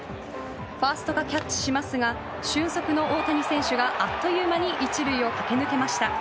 ファーストがキャッチしますが俊足の大谷選手があっという間に１塁を駆け抜けました。